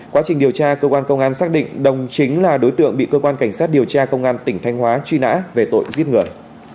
quá trình điều tra cơ quan công an xác định đồng chính là đối tượng bị cơ quan cảnh sát điều tra công an tỉnh thanh hóa truy nã về tội giết người